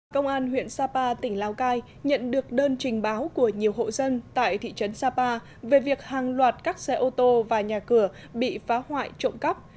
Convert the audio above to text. công an huyện sapa tỉnh lào cai nhận được đơn trình báo của nhiều hộ dân tại thị trấn sapa về việc hàng loạt các xe ô tô và nhà cửa bị phá hoại trộm cắp